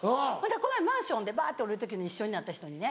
この間マンションでばって降りる時に一緒になった人にね